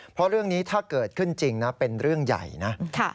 เพราะเรื่องนี้ถ้าเกิดขึ้นจริงนะเป็นเรื่องใหญ่นะ